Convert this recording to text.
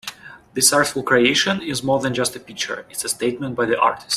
This artful creation is more than just a picture, it's a statement by the artist.